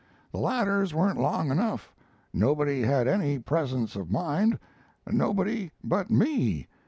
The ladders weren't long enough. Nobody had any presence of mind nobody but me.